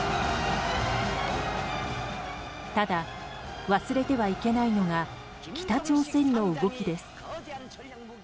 ただ忘れてはいけないのが北朝鮮の動きです。